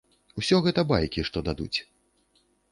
Усё гэта байкі, што дадуць.